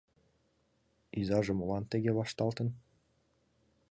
Изаже молан тыге вашталтын?